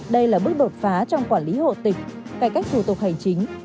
đây là bước bột phá trong quản lý hộ tịch cải cách thủ tục hành chính